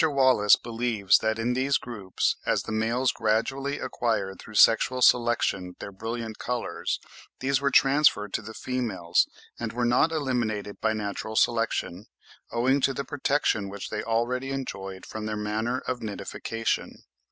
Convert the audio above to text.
Wallace believes that in these groups, as the males gradually acquired through sexual selection their brilliant colours, these were transferred to the females and were not eliminated by natural selection, owing to the protection which they already enjoyed from their manner of nidification.